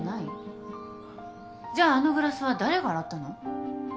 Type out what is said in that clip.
じゃああのグラスは誰が洗ったの？